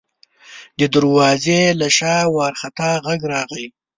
د دروازې له شا وارخطا غږ راغی: